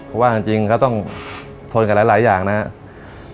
เพราะว่าจริงเขาต้องทนกับหลายอย่างนะครับ